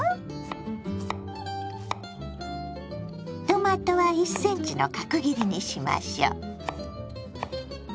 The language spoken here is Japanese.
トマトは１センチの角切りにしましょう。